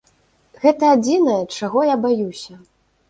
Гэта адзінае, чаго я баюся.